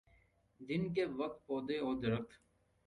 دن کے وقت پودے اور درخت